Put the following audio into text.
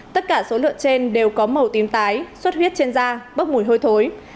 tất cả số lượng trên đều có màu tím tái suốt huyết trên da bớt mùi hôi thối